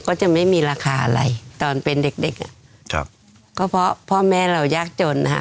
ก็จะไม่มีราคาอะไรตอนเป็นเด็กเด็กอ่ะครับก็เพราะพ่อแม่เรายากจนฮะ